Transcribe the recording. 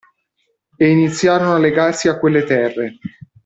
E iniziarono a legarsi a quelle terre.